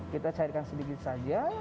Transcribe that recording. kita cairkan sedikit saja